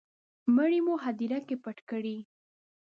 مړی مو هدیره کي پټ کړی